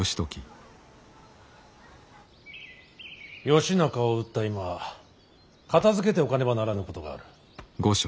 義仲を討った今片づけておかねばならぬことがある。